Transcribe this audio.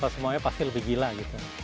semuanya pasti lebih gila gitu